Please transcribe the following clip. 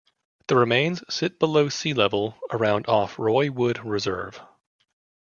The remains sit below sea level, around off Roy Wood Reserve.